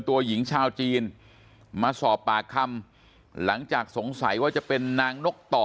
ตัวหญิงชาวจีนมาสอบปากคำหลังจากสงสัยว่าจะเป็นนางนกต่อ